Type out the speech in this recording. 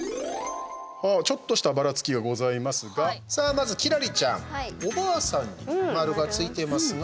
ちょっとしたばらつきはございますがさあ、まず輝星ちゃんおばあさんに丸がついてますが。